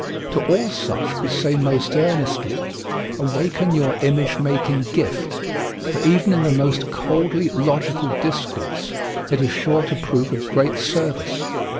To all such we say most earnestly: Awaken your image making gift, for even in the most coldly logical discourse it is sure to prove of great service.